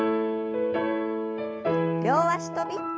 両脚跳び。